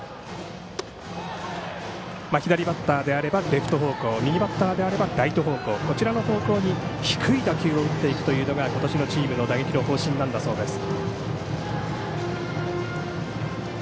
左バッターであればレフト方向右バッターであればライト方向に低い打球を打っていくのが今年のチームの打撃の方針だそうです。